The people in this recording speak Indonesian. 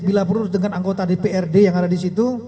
bila perlu dengan anggota dprd yang ada disitu